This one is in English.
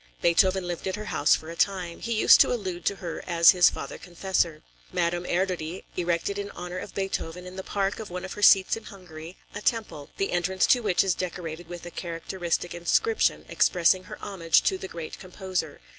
Beethoven lived at her house for a time. He used to allude to her as his father confessor. Madame Erdödy erected in honor of Beethoven, in the park of one of her seats in Hungary, a temple, the entrance to which is decorated with a characteristic inscription expressing her homage to the great composer.